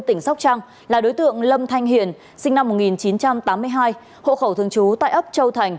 tỉnh sóc trăng là đối tượng lâm thanh hiền sinh năm một nghìn chín trăm tám mươi hai hộ khẩu thường trú tại ấp châu thành